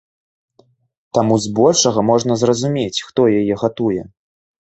Таму збольшага можна зразумець, хто яе гатуе.